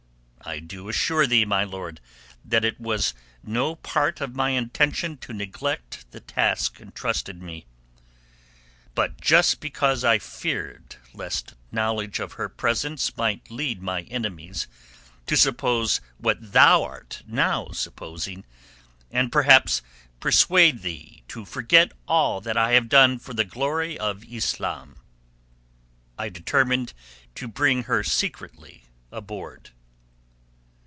I do assure thee, my lord, that it was no part of my intention to neglect the task entrusted me. But just because I feared lest knowledge of her presence might lead my enemies to suppose what thou art now supposing, and perhaps persuade thee to forget all that I have done for the glory of Islam, I determined to bring her secretly aboard.